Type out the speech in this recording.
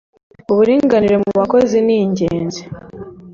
uburinganire mu bakozi ningenzi